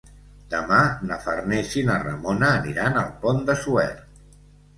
Demà na Farners i na Ramona aniran al Pont de Suert.